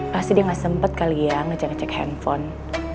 pasti dia gak sempet kali ya ngecek ngecek handphone